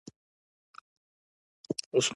سید خپل پروګرامونه وروسته شېر علي خان ته وړاندې کړل.